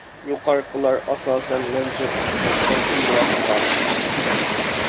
يۇقىرىقىلار ئاساسەن مەن جىق ئۇچراتقان ئىملا خاتالىقلىرى.